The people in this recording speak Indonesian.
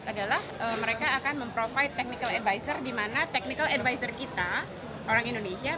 adalah mereka akan memprovide technical advisor di mana technical advisor kita orang indonesia